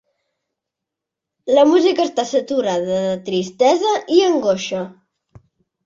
La música està saturada de tristesa i angoixa.